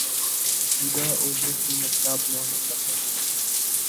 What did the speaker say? عقیدہ اور یقین اپنا اپنا ہوتا ہے۔